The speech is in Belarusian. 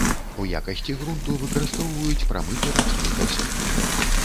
У якасці грунту выкарыстоўваюць прамыты рачны пясок.